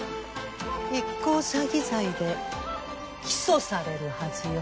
１項詐欺罪で起訴されるはずよ。